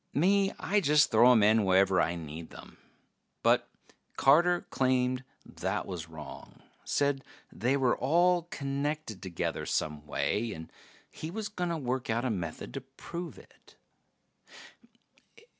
Me, I just throw 'em in wherever I need 'em. But Carter claimed that was wrong. Said they were all connected together some way, and he was gonna work out a method to prove it.